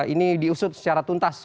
ini diusut secara tuntas